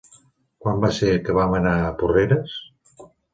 Quan va ser que vam anar a Porreres?